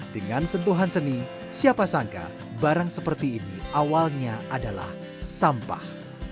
dengan sentuhan seni siapa sangka barang seperti ini awalnya adalah sampah